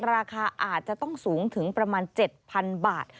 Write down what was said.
ราคาอาจจะต้องสูงถึงประมาณ๗๐๐บาท